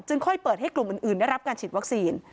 ค่อยเปิดให้กลุ่มอื่นได้รับการฉีดวัคซีน